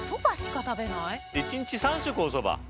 １日３食おそば？